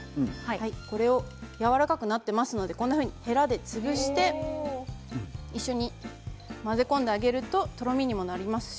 これをやわらかくなっていますのでへらで潰して一緒に混ぜ込んであげるととろみにもなります。